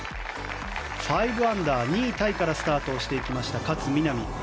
５アンダー、２位タイからスタートしていきました勝みなみ。